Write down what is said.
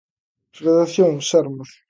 Redacción Sermos.